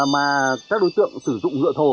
mà các đối tượng sử dụng rượu thổ